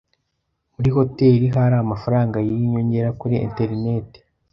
Muri hoteri hari amafaranga yinyongera kuri enterineti.